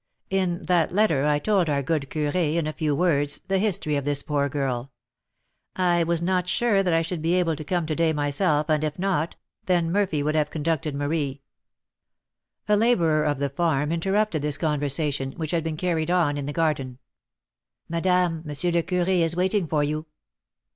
"In that letter I told our good curé, in a few words, the history of this poor girl. I was not sure that I should be able to come to day myself, and if not, then Murphy would have conducted Marie " A labourer of the farm interrupted this conversation, which had been carried on in the garden. "Madame, M. le Curé is waiting for you."